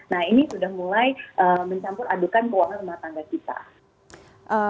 nah ini sudah mulai mencampur adukan keuangan rumah tangga kita